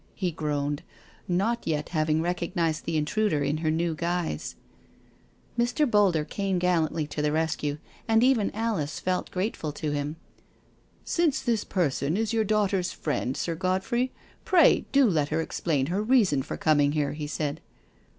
*' he groaned, not yet having recognised the intruder in her new guise. Mr. Boulder came gallantly to the rescue, and even Alice felt grateful to him. " Since this person is your daughter's friend. Sir Godfrey, pray, do let hec explain her reason for. coming here," he said.